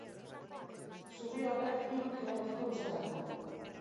Zubi horrek hiru kilometroko luzera du.